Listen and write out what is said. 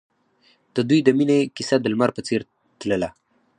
د دوی د مینې کیسه د لمر په څېر تلله.